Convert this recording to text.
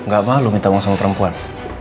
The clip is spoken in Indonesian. gak malu minta uang sama perempuan